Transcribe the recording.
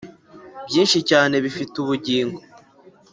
byinshi cyane bifite ubugingo